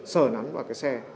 sờ nắn vào cái xe